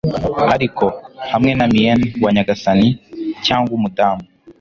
ariko, hamwe na mien wa nyagasani cyangwa umudamu